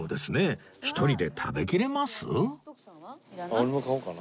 俺も買おうかな。